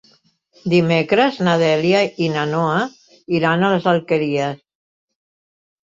Dimecres na Dèlia i na Noa iran a les Alqueries.